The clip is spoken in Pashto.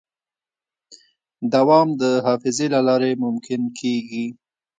دوام د حافظې له لارې ممکن کېږي.